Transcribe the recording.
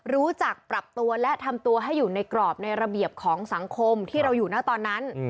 รู้จักปรับตัวและทำตัวให้อยู่ในกรอบในระเบียบของสังคมที่เราอยู่นะตอนนั้น